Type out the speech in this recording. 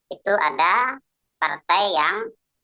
itu ada partai yang